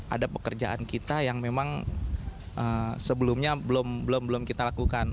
ada pekerjaan kita yang memang sebelumnya belum belum kita lakukan